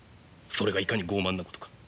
それがいかに傲慢なことか。